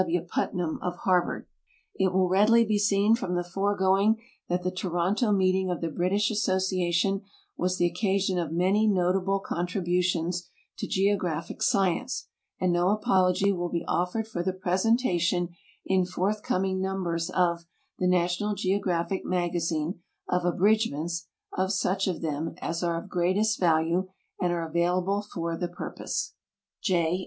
W. Putnam, of Harvard. It will readily be seen from the foregoing that the Toronto meeting of the British Association was the occasion of manv notable contributions to geographic science, and no apology wiil be offered for the presentation in forthcoming numbers of Thk National Geographic Magazink of abridgments of such of them as are of greatest value and are available for the purpose. J.